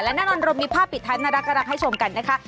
และน่านอนรมมีภาพปิดทัดนรักให้ชมกันนะคะ